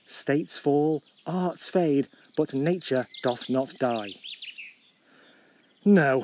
States fall, arts fade, but Nature doth not die." No